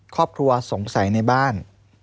ครอบครัวสงสัยในบ้าน